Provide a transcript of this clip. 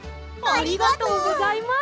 ありがとうございます！